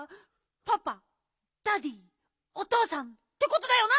パパダディーおとうさんってことだよな？